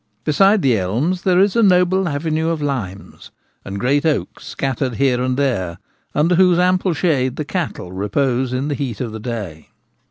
Besides the elms there is a noble avenue of limes, and great oaks scattered here and there, under whose ample shade the cattle repose in the heat of the day.